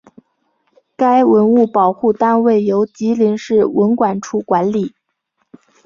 该文物保护单位由吉林市文管处管理。